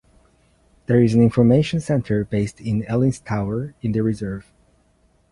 There is an information centre based in Elin's Tower in the reserve.